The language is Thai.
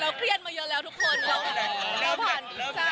เราเครียดมาเยอะแล้วทุกคน